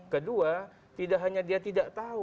kedua tidak hanya dia tidak tahu